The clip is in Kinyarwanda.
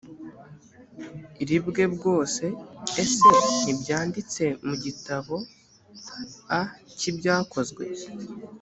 ri bwe bwose ese ntibyanditse mu gitabo a cy ibyakozwe